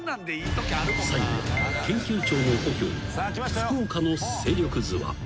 ［最後は研究長の故郷福岡の勢力図は？］